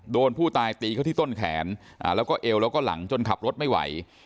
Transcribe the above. โดนผู้ตายตีเขาที่ต้นแขนแล้วก็เอวแล้วก็หลังจนขับรถไม่ไหว